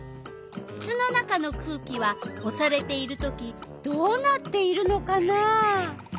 つつの中の空気はおされているときどうなっているのかな？